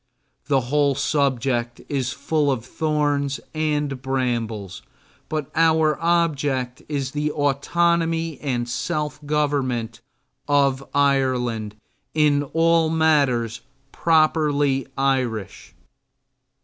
The whole subject is full of thorns and brambles, but our object is the autonomy and self government of Ireland in all matters properly Irish.